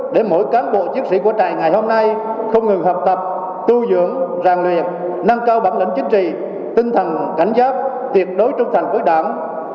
để mỗi cán bộ chiến sĩ của trại ngày hôm nay không ngừng học tập tu dưỡng rèn luyện nâng cao bản lĩnh chính trị tinh thần cảnh giác tuyệt đối trung thành với đảng